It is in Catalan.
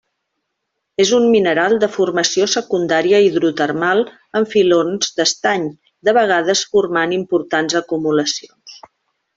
És un mineral de formació secundària hidrotermal en filons d'estany, de vegades formant importants acumulacions.